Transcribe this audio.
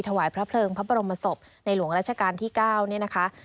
ถวายพระเพลิงพระบรมศพในหลวงราชการที่๙เนี่ยนะคะ